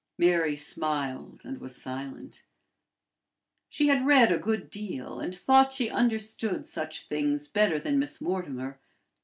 Mary smiled and was silent. She had read a good deal, and thought she understood such things better than Miss Mortimer.